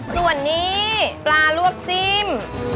ส่วนนี้ปลาลวกจิ้ม